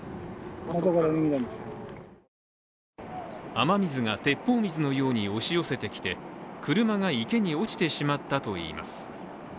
雨水が鉄砲水のように押し寄せてきて車が池に落ちてしまったといいます。